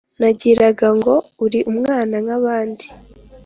Nagira ngo uri umwana nk’abandi,